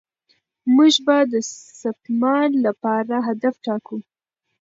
موږ به د سپما لپاره هدف ټاکو.